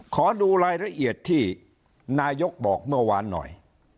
ขอดูรายละเอียดที่นายกบอกเมื่อวานหน่อย